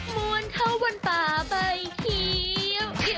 มวลเข้าบนป่าใบคิว